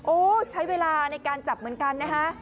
ใช้เวลาในการจับเหมือนกันนะคะ